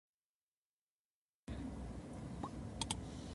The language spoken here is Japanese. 早寝、早起きをする。